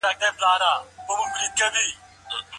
سوله د پرمختګ لومړنی شرط دی.